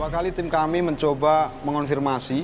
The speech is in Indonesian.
kami juga berupaya mencoba mengonfirmasi